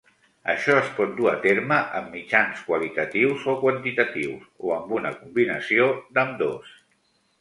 Això es pot dur a terme amb mitjans qualitatius o quantitatius, o amb una combinació d'ambdós.